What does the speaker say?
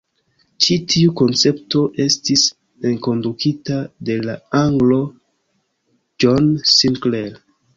Ĉi tiu koncepto estis enkondukita de la anglo John Sinclair.